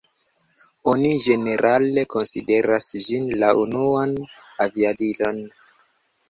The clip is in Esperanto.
Oni ĝenerale konsideras ĝin la unuan aviadilon.